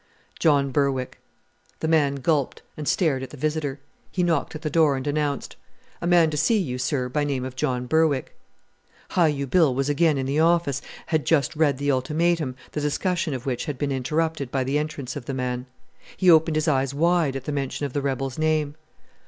"John Berwick." The man gulped, and stared at the visitor. He knocked at the door, and announced, "A man to see you, sir, by name of John Berwick." Hi u Bill was again in the office, had just read the ultimatum, the discussion of which had been interrupted by the entrance of the man. He opened his eyes wide at the mention of the rebel's name.